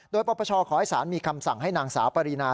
โดยปปชขอให้ศาลมีคำสั่งให้นางสาวปรินา